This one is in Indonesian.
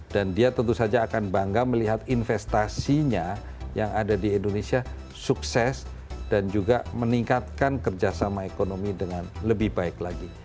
dan dia tentu saja akan bangga melihat investasinya yang ada di indonesia sukses dan juga meningkatkan kerjasama ekonomi dengan lebih baik lagi